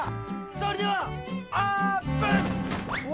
それではオープン！